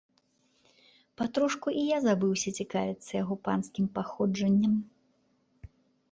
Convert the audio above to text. Патрошку і я забыўся цікавіцца яго панскім паходжаннем.